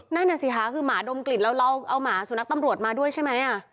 นั่นน่ะสิคะคือหมาดมกลิ่นแล้วเราเอาหมาสุนัขตำรวจมาด้วยใช่ไหม